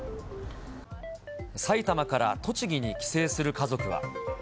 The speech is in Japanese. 埼玉から栃木に帰省する家族は。